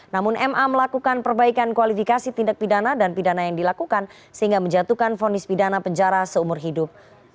namun ma melakukan perbaikan kualifikasi tindak pidana dan pidana yang dilakukan sehingga menjatuhkan fonis pidana penjara seumur hidup